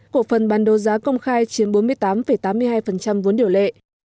cổ phần bán đấu giá công khai chiếm bốn mươi tám tám mươi hai vốn điều lệ